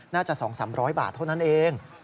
น่าจะ๒๐๐๓๐๐บาทเท่านั้นเอง